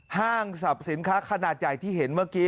ห้างสรรพสินค้าขนาดใหญ่ที่เห็นเมื่อกี้